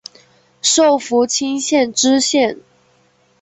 授福清县知县。